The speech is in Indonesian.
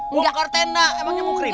bongkar tenda emangnya mau keribat